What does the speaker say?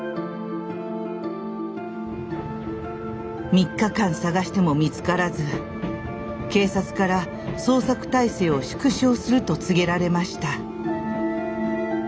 ３日間捜しても見つからず警察から捜索体制を縮小すると告げられました。